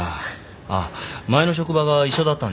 あっ前の職場が一緒だったんですよ。